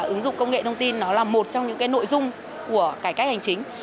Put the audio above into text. ứng dụng công nghệ thông tin nó là một trong những nội dung của cải cách hành chính